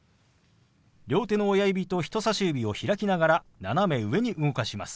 両手の親指と人さし指を開きながら斜め上に動かします。